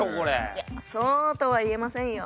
いやそうとは言えませんよ。